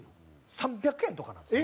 ３００円とかなんですよ。